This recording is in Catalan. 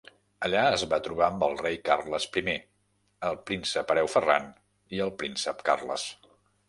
Allà es va trobar amb el rei Carles I, el príncep hereu Ferran i el príncep Carles.